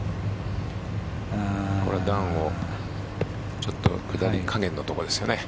これは段のちょっと下り加減のところですね。